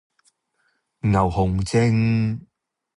牛熊證